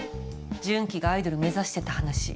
順基がアイドル目指してた話。